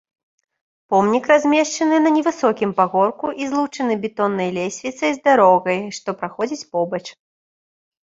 Помнік размешчаны на невысокім пагорку і злучаны бетоннай лесвіцай з дарогай, што праходзіць побач.